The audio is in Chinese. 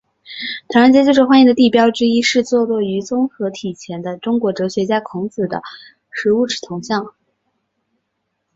唐人街最受欢迎的地标之一是坐落于综合体前的中国哲学家孔子的十五尺铜像。